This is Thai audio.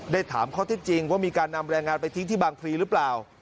ถามข้อที่จริงว่ามีการนำแรงงานไปทิ้งที่บางพลีหรือเปล่า